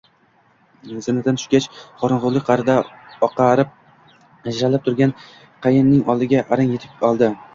Zinadan tushgach, qorongʻulik qaʼrida oqarib-ajralib turgan qayinning oldiga arang yetib oldi